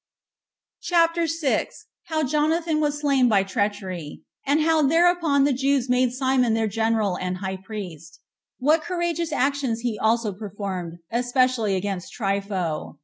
CHAPTER 6. How Jonathan Was Slain By Treachery; And How Thereupon The Jews Made Simon Their General And High Priest: What Courageous Actions He Also Performed Especially Against Trypho.